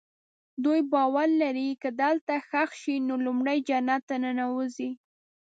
دوی باور لري که دلته ښخ شي نو لومړی جنت ته ننوځي.